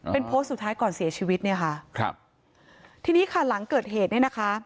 เป็นโพสต์สุดท้ายก่อนเสียชีวิตเนี่ยค่ะครับทีนี้ค่ะหลังเกิดเหตุเนี่ยนะคะ